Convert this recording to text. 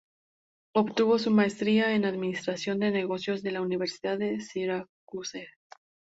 Obtuvo su Maestría en Administración de Negocios de la Universidad de Syracuse.